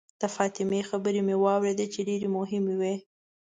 د فاطمې خبرې مې واورېدې چې ډېرې مهمې وې.